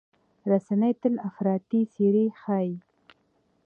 رسنۍ تل افراطي څېرې ښيي.